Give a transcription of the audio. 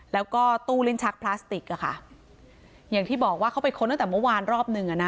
แล้วก็ตู้ลิ้นชักพลาสติกอะค่ะอย่างที่บอกว่าเขาไปค้นตั้งแต่เมื่อวานรอบหนึ่งอ่ะนะ